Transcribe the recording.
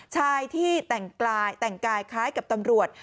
ชายที่แต่งกายคล้ายกับตำรวจ